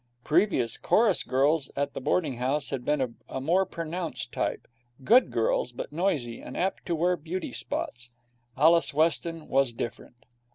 Previous chorus girls at the boarding house had been of a more pronounced type good girls, but noisy, and apt to wear beauty spots. Alice Weston was different.